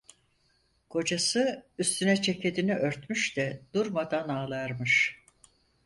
Kocası üstüne ceketini örtmüş de durmadan ağlarmış.